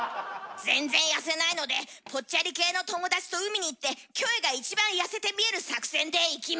全然痩せないのでぽっちゃり系の友達と海に行ってキョエが一番痩せて見える作戦でいきます。